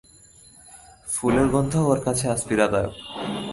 ফুলের গন্ধও ওর কাছে আজ পীড়াদায়ক।